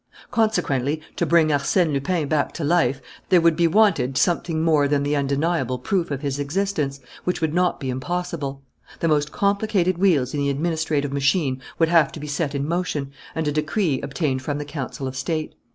"Consequently, to bring Arsène Lupin back to life, there would be wanted something more than the undeniable proof of his existence, which would not be impossible. The most complicated wheels in the administrative machine would have to be set in motion, and a decree obtained from the Council of State.